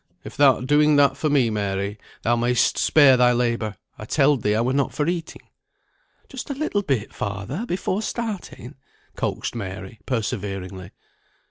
"If thou'rt doing that for me, Mary, thou may'st spare thy labour. I telled thee I were not for eating." "Just a little bit, father, before starting," coaxed Mary, perseveringly.